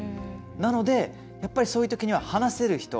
なので、やっぱりそういうときには話せる人。